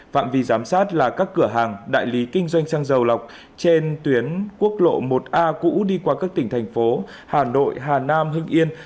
phạm vi giám sát là các cửa hàng đại lý kinh doanh xăng dầu lọc trên tuyến quốc lộ một a cũ đi qua các tỉnh thành phố hà nội hà nam hưng yên